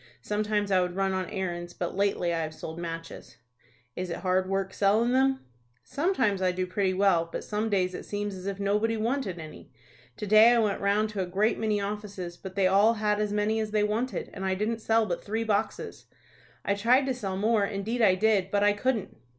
Sometimes I would run on errands, but lately I have sold matches." "Is it hard work sellin' them?" "Sometimes I do pretty well, but some days it seems as if nobody wanted any. To day I went round to a great many offices, but they all had as many as they wanted, and I didn't sell but three boxes. I tried to sell more, indeed I did, but I couldn't."